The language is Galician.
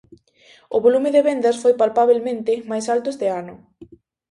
O volume de vendas foi palpabelmente máis alto este ano.